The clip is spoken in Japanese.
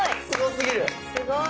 すごい！